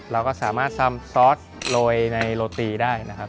เราก็สามารถทำซอสโรยในโรตีได้นะครับ